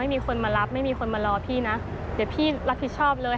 มีคนมารับไม่มีคนมารอพี่นะเดี๋ยวพี่รับผิดชอบเลย